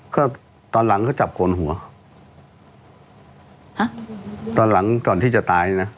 ก็ตอนหลังก็จับโกนหัวอ่ะตอนหลังก่อนที่จะตายนะ